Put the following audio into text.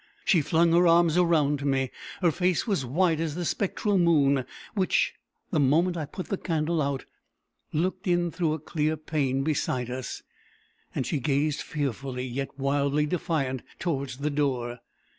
she flung her arms around me. Her face was white as the spectral moon which, the moment I put the candle out, looked in through a clear pane beside us; and she gazed fearfully, yet wildly defiant, towards the door.